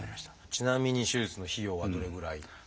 ちなみに手術の費用はどれぐらい？